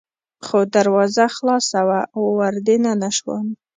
خو دروازه خلاصه وه، ور دننه شوم.